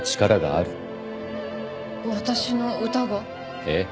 私の歌が？ええ。